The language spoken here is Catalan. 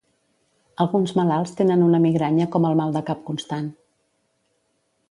Alguns malalts tenen una migranya com el mal de cap constant.